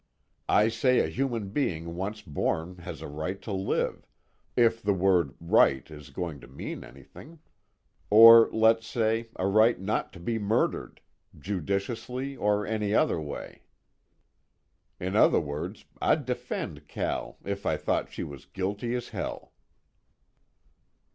I say a human being once born has a right to live, if the word 'right' is going to mean anything or let's say, a right not to be murdered, judicially or any other way. In other words, I'd defend Cal if I thought she was guilty as hell."